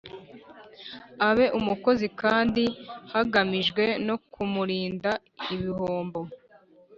Abe umukozi kandi hagamijwe no kumurinda ibihombo